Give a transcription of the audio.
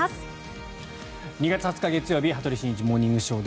２月２０日、月曜日「羽鳥慎一モーニングショー」。